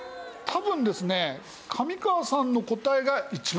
多分ですね上川さんの答えが一番近いんですよ。